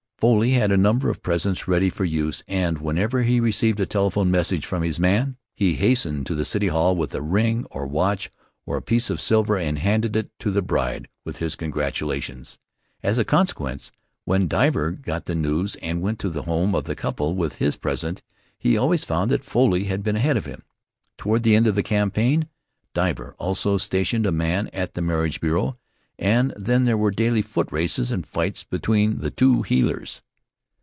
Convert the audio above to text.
Foley had a number of presents ready for use and, whenever he received a telephone message from his man, he hastened to the City Hall with a ring or a watch or a piece of silver and handed it to the bride with his congratulations. As a consequence, when Divver got the news and went to the home of the couple with his present, he always found that Foley had been ahead of him. Toward the end of the campaign, Divver also stationed a man at the marriage bureau and then there were daily foot races and fights between the two heelers.